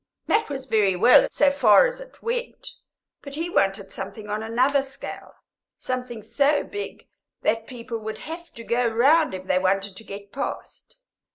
That was very well so far as it went, but he wanted something on another scale, something so big that people would have to go round if they wanted to get past.